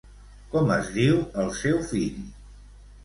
Com es diu el seu fill?